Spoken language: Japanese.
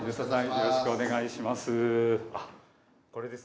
よろしくお願いします。